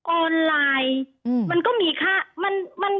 ออนไลน์มันก็มีค่า